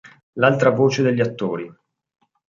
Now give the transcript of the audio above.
L'altra voce degli attori".